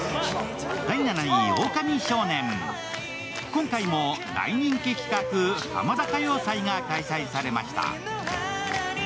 今回も大人気企画ハマダ歌謡祭が開催されました。